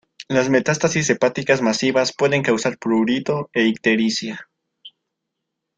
Las metástasis hepáticas masivas pueden causar prurito e ictericia.